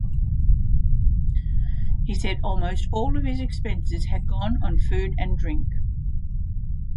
He said almost all of his expenses had gone on food and drink.